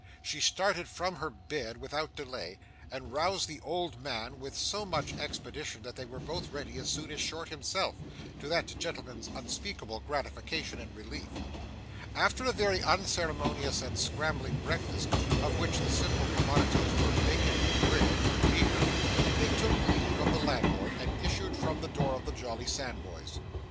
She started from her bed without delay, and roused the old man with so much expedition that they were both ready as soon as Short himself, to that gentleman's unspeakable gratification and relief. After a very unceremonious and scrambling breakfast, of which the staple commodities were bacon and bread, and beer, they took leave of the landlord and issued from the door of the jolly Sandboys.